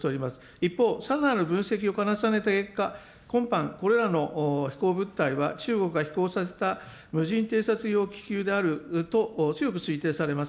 一方、さらなる分析を重ねた結果、今般これらの飛行物体は中国が飛行させた無人偵察用気球であると強く推定されます。